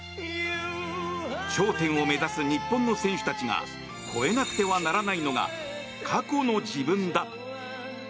頂点を目指す日本の選手たちが超えなくてはならないのが過去の自分だ。